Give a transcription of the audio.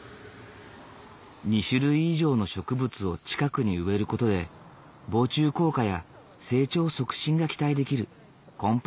２種類以上の植物を近くに植える事で防虫効果や成長促進が期待できるコンパニオンプランティング。